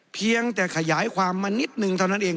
เพียงแต่ขยายความมานิดนึงเท่านั้นเอง